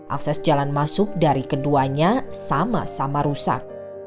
akses jalan masuk dari keduanya sama sama rusak